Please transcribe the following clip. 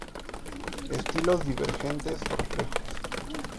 Estilos divergentes o reflejos.